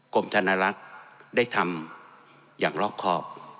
ธนรักษ์ได้ทำอย่างรอบครอบ